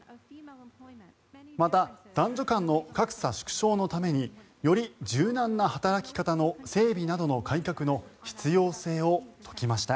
また、男女間の格差縮小のためにより柔軟な働き方の整備などの改革の必要性を説きました。